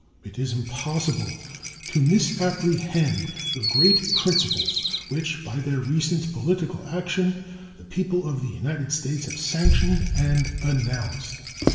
It is impossible to misapprehend the great principles which by their recent political action the people of the United States have sanctioned and announced.